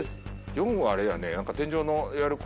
４はあれやね。